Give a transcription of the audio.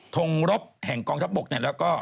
ทงรบแห่งกองทัพบกเนี่ยแล้วก็